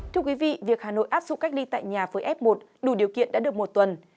thưa quý vị việc hà nội áp dụng cách ly tại nhà với f một đủ điều kiện đã được một tuần